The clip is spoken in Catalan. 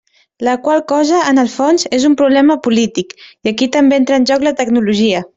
La qual cosa, en el fons, és un problema polític, i aquí també entra en joc la tecnologia.